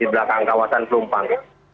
di belakang kawasan pelumpang